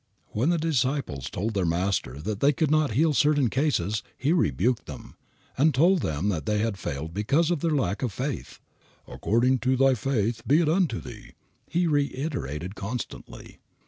_" When the disciples told their Master that they could not heal certain cases He rebuked them, and told them that they failed because of their lack of faith. "According to thy faith be it unto thee," he reiterated constantly.